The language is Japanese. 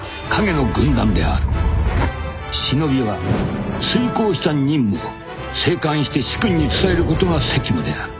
［忍びは遂行した任務を生還して主君に伝えることが責務である］